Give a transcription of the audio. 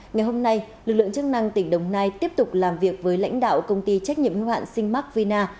ngày hôm nay lực lượng chức năng tỉnh đồng nai tiếp tục làm việc với lãnh đạo công ty trách nhiệm hưu hạn sinh mac vina